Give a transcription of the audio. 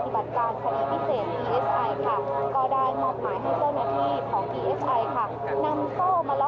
ไปพักผ่อนค่ะในวัดท่าธรรมกายได้ค่ะจากนั้นค่ะในรับสิบแปดนาฬิกานะคะ